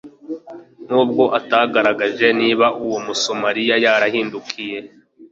N'ubwo atagaragaje niba uwo Musamariya yarahindukiye